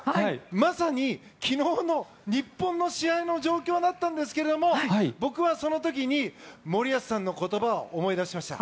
まさに昨日の日本の試合の状況だったんですけど僕はその時に森保さんの言葉を思い出しました。